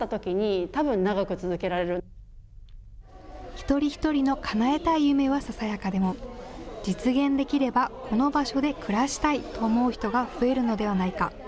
一人一人のかなえたい夢はささやかでも実現できればこの場所で暮らしたいと思う人が増えるのではないか。